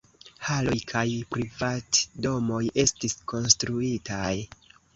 Haloj kaj privatdomoj estis konstruitaj.